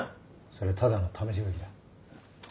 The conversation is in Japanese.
それはただの試し書きだ。